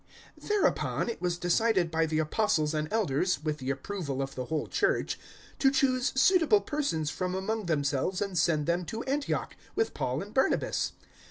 015:022 Thereupon it was decided by the Apostles and Elders, with the approval of the whole Church, to choose suitable persons from among themselves and send them to Antioch, with Paul and Barnabas.